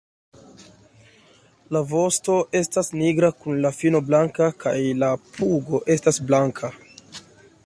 La vosto estas nigra kun la fino blanka kaj la pugo estas blanka.